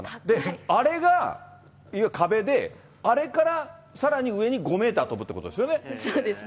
で、あれがいわゆる壁で、あれからさらに上に５メーター跳ぶということですよね？